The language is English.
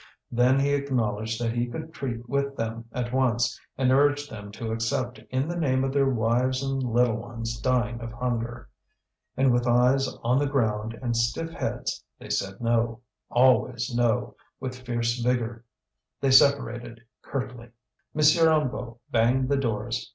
Then he acknowledged that he could treat with them at once, and urged them to accept in the name of their wives and little ones dying of hunger. And with eyes on the ground and stiff heads they said no, always no, with fierce vigour. They separated curtly. M. Hennebeau banged the doors.